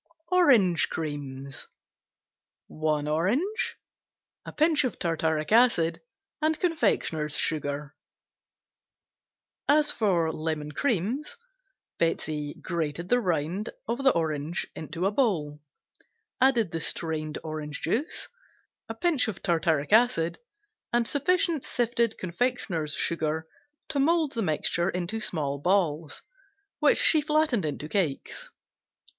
Orange Creams Orange, One Tartaric acid, A pinch Sugar (confectioner's). As for "Lemon Creams," Betsey grated the rind of the orange into a bowl, added the strained orange juice, a pinch of tartaric acid and sufficient sifted confectioner's sugar to mold into small balls, which she flattened into cakes.